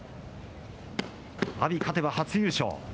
阿炎、勝てば初優勝。